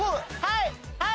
はい！